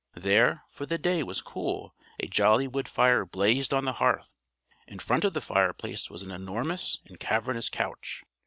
There, for the day was cool, a jolly wood fire blazed on the hearth. In front of the fireplace was an enormous and cavernous couch.